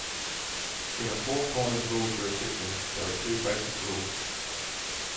In a Four Corners Rule jurisdiction, there are two basic rules.